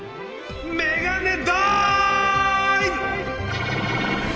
メガネダイブ！